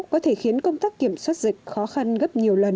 có thể khiến công tác kiểm soát dịch khó khăn gấp nhiều lần